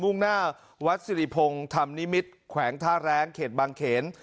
่งหน้าวัดสิริพงศ์ธรรมนิมิตรแขวงท่าแรงเขตบางเขน